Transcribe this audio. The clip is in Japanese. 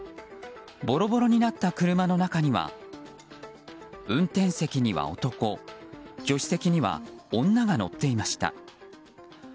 ボロボロになった車の中には運転席には男助手席には女が乗っていました。